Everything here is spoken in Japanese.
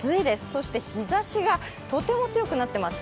そして日差しがとても強くなってます。